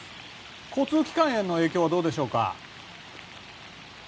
交通機関への影響はどうでしょうか？